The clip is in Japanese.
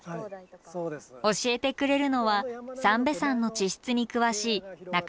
教えてくれるのは三瓶山の地質に詳しいあっ！